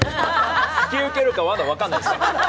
引き受けるか、まだ分からないんですよ。